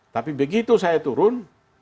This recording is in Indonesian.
tapi begitu saya turun